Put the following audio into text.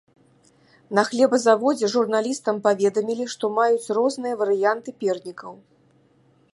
На хлебазаводзе журналістам паведамілі, што маюць розныя варыянты пернікаў.